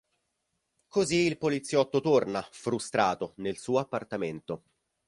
Così il poliziotto torna, frustrato, nel suo appartamento.